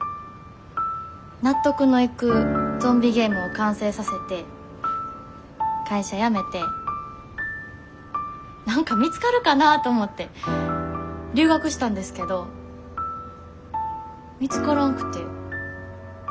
納得のいくゾンビゲームを完成させて会社辞めて何か見つかるかなと思って留学したんですけど見つからんくて。